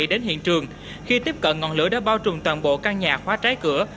đến hiện trường khi tiếp cận ngọn lửa đã bao trùm toàn bộ căn nhà khóa trái cửa